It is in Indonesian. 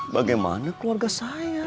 bagaimana keluarga saya